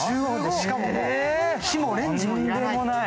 しかも火もレンジも要らない。